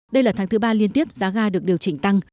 đây là tháng thứ ba liên tiếp giá ga được điều chỉnh tăng